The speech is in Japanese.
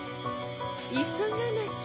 急がなきゃ。